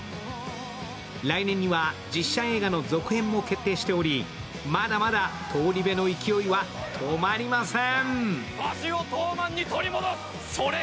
来年には、実写映画の続編も決定しており、まだまだ「東リベ」の勢いは止まりません！